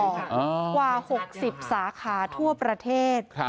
กว่า๖๐สาขาทั่วประเทศ